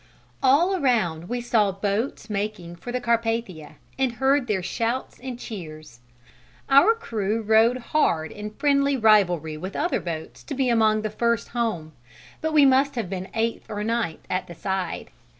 All around we saw boats making for the Carpathia and heard their shouts and cheers. Our crew rowed hard in friendly rivalry with other boats to be among the first home, but we must have been eighth or ninth at the side.